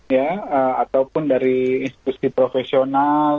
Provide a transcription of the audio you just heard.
ya ataupun dari institusi profesional